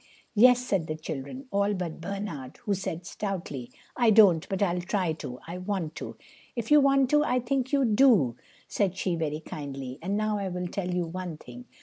"Yes," said the children, all but Bernard, who said stoutly: "I don't; but I'll try to. I want to." "If you want to, I think you do," said she very kindly. "And now I will tell you one thing.